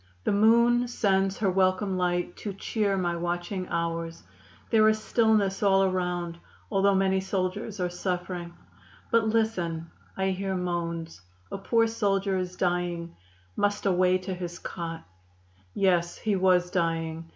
The moon sends her welcome light to cheer my watching hours. There is stillness all around, although many soldiers are suffering. But listen! I hear moans. A poor soldier is dying; must away to his cot. Yes, he was dying.